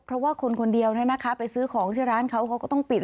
เพราะว่าคนคนเดียวไปซื้อของที่ร้านเขาเขาก็ต้องปิด